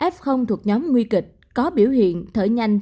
f thuộc nhóm nguy kịch có biểu hiện thở nhanh